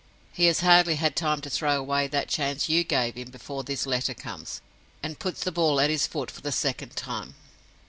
He has hardly had time to throw away that chance you gave him before this letter comes, and puts the ball at his foot for the second time.